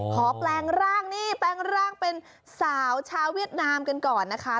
แปลงร่างนี่แปลงร่างเป็นสาวชาวเวียดนามกันก่อนนะคะ